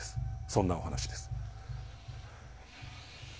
そんなお話です。